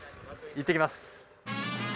行ってきます！